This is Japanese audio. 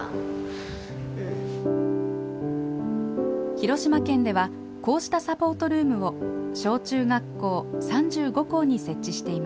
広島県ではこうしたサポートルームを小中学校３５校に設置しています。